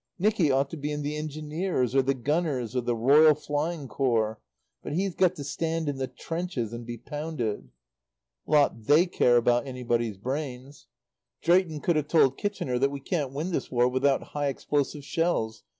Nicky ought to be in the engineers or the gunners or the Royal Flying Corps; but he's got to stand in the trenches and be pounded. "Lot they care about anybody's brains. Drayton could have told Kitchener that we can't win this war without high explosive shells.